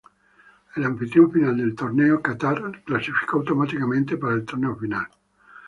El anfitrión final del torneo, Qatar clasificó automáticamente para el torneo final.